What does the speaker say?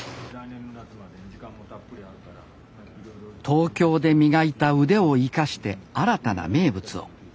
東京で磨いた腕を生かして新たな名物を。